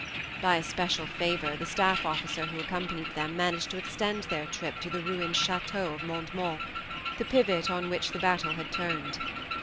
By a special favour, the staff officer THE MARNE 29 who accompanied them managed to extend their trip to the ruined chateau of Mondement, the pivot on which the battle had turned.